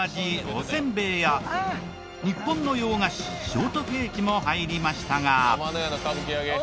おせんべいや日本の洋菓子ショートケーキも入りましたが。